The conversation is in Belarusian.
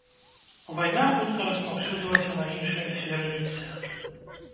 Вайна хутка распаўсюдзілася на іншыя сферы жыцця.